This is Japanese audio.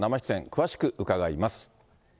詳しく伺います。